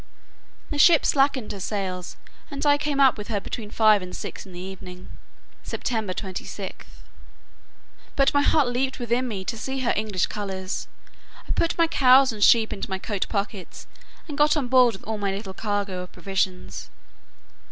The ship slackened her sails, and I came up with her between five and six in the evening, September 26th; but my heart leaped within me to see her English colours. I put my cows and sheep into my coat pockets, and got on board with all my little cargo of provisions.